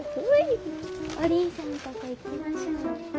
おりんさんとこ行きましょうね。